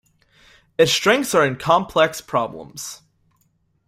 Its strengths are in complex problems.